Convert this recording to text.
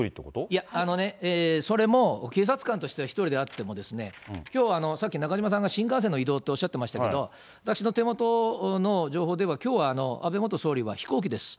いや、あのね、それも警察官としては１人であってもですね、きょう、さっき中島さんが新幹線の移動っておっしゃっていましたけれども、私の手元の情報では、きょうは安倍元総理は飛行機です。